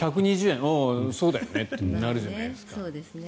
そうだよねってなるじゃないですか。